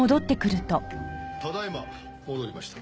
ただ今戻りました。